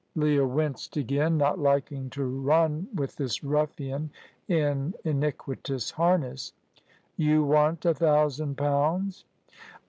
Leah winced again, not liking to run with this ruffian in iniquitous harness. "You want a thousand pounds?"